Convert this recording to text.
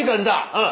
うん。